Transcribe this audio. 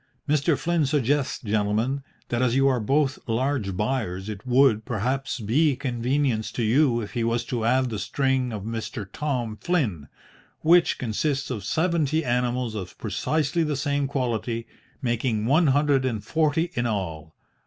Mr. Flynn suggests, gentlemen, that as you are both large buyers, it would, perhaps, be a convenience to you if he was to add the string of Mr. Tom Flynn, which consists of seventy animals of precisely the same quality, making one hundred and forty in all.